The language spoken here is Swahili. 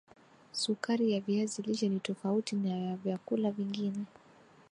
sukari ya viazi lishe ni tofauti naya vyakula vingine